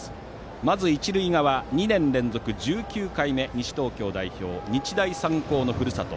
まず一塁側、２年連続１９回目西東京代表、日大三高のふるさと。